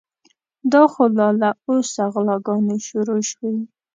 دا خو لا له اوسه غلاګانې شروع شوې.